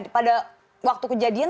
pada waktu kejadian